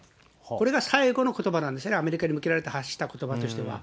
これが最後のことばなんですね、アメリカに向けられて発したことばとしては。